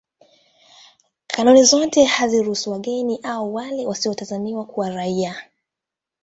Kanuni zote hazikuhusu wageni au wale wasiotazamiwa kuwa raia.